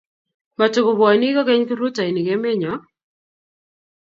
matukubwoni kokeny kiprutoinik emet nyo